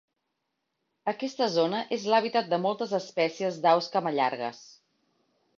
Aquesta zona és l'hàbitat de moltes espècies d'aus camallargues.